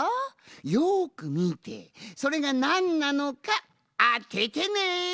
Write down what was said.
よくみてそれがなんなのかあててね。